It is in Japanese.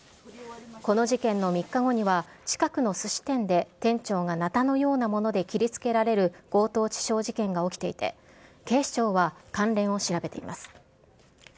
この事件の３日後には、近くのすし店で、店長がなたのようなもので切りつけられる強盗死傷事件が起きていて、警視庁は、関連を調べています。